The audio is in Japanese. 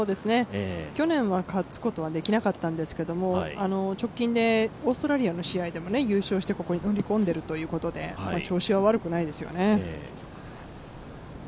去年は勝つことはできなかったんですけれども、直近でオーストラリアの試合でも優勝して、ここに乗り込んでいるということで調子は悪くないですよね。